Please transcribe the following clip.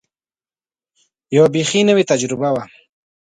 یوه بېخي نوې تجربه وه.